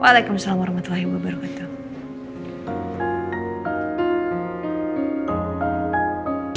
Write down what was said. waalaikumsalam warahmatullahi wabarakatuh